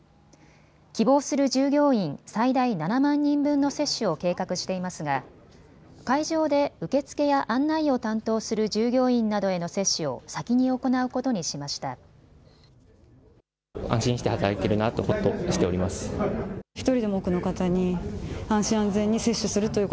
希望する従業員、最大７万人分の接種を計画していますが会場で受け付けや案内を担当する従業員などへの接種を先に行うことにしました。